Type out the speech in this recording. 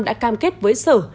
đã cam kết với sở